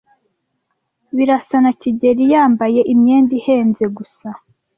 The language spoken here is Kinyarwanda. Birasa na kigeli yambaye imyenda ihenze gusa.